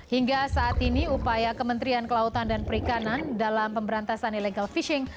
hingga saat ini upaya kementerian kelautan dan perikanan dalam pemberantasan illegal fishing